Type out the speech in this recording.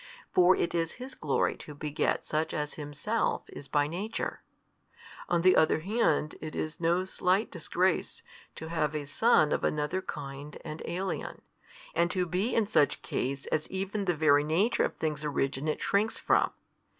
For it is His glory to beget such as Himself is by Nature: on the other hand it is no slight disgrace, to have a son of another kind and alien, and to be in such case as even the very nature of things originate shrinks from.